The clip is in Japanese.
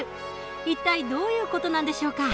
一体どういう事なんでしょうか？